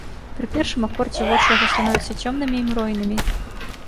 Пры першым акордзе вочы яго становяцца цёмнымі і мройнымі.